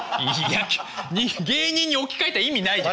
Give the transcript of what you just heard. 芸人に置き換えた意味ないじゃん。